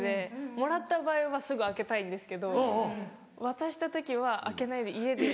もらった場合はすぐ開けたいんですけど渡した時は開けないで家で。